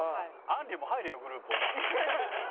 あんりも入れよグループお前。